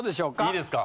いいですか？